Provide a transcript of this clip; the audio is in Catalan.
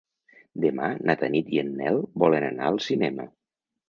Demà na Tanit i en Nel volen anar al cinema.